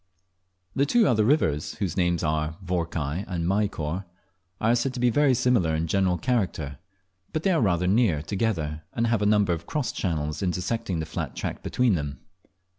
The other two rivers, whose names are Vorkai and Maykor, are said to be very similar in general character; but they are rather near together, and have a number of cross channels intersecting the flat tract between them.